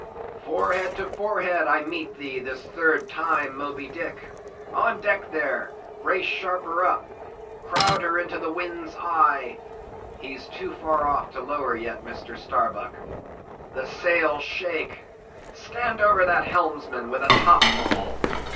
"Forehead to forehead I meet thee, this third time, Moby Dick! On deck there!—brace sharper up; crowd her into the wind's eye. He's too far off to lower yet, Mr. Starbuck. The sails shake! Stand over that helmsman with a top maul!